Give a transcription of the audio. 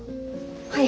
はい。